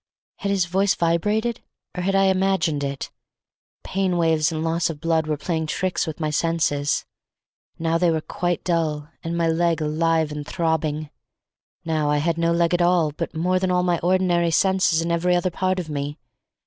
Had his voice vibrated, or had I imagined it? Pain waves and loss of blood were playing tricks with my senses; now they were quite dull, and my leg alive and throbbing; now I had no leg at all, but more than all my ordinary senses in every other part of me.